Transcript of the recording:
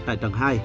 tại tầng hai